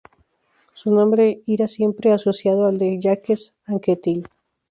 Su nombre irá siempre asociado al de Jacques Anquetil.